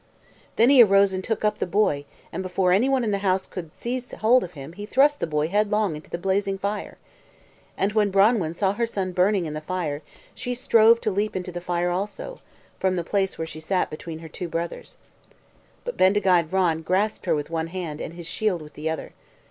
Then he arose and took up the boy, and before any one in the house could seize hold of him he thrust the boy headlong into the blazing fire. And when Branwen saw her son burning in the fire, she strove to leap into the fire also, from the place where she sat between her two brothers. But Bendigeid Vran grasped her with one hand, and his shield with the other.